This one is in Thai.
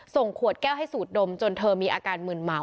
ส่งขวดแก้วให้สูดดมจนเธอมีอาการหมื่นเหมา